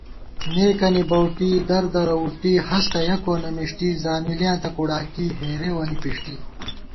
نېکَنی بؤٹی، دردرہ وُٹی ہستہ یہ کونہ مݭٹی حٔامِلیاں تہ کُوڑاکی، ہېرېوَنی پݭٹِی